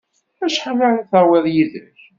Acḥal ara d-tawiḍ yid-k?